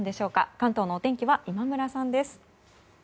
関東のお天気は今村さんです。